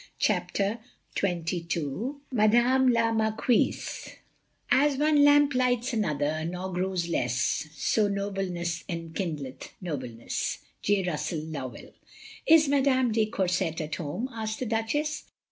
CHAPTER XXII MADAME LA MARQUISE *' As one lamp lights another, nor grows less, So nobleness enkindleth nobleness." J. RUSSBLL LOWBLL. Is Madame de Courset at home?" asked the Duchess.